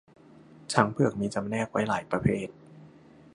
ช้างเผือกมีจำแนกไว้หลายประเภท